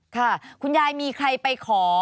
ค่ะคุณยายมีใครไปขอ